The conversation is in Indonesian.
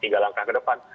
tiga langkah ke depan